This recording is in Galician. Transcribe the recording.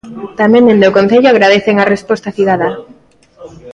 Tamén dende o concello agradecen a resposta cidadá.